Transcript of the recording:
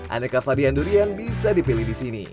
aneka varian durian bisa dipilih di sini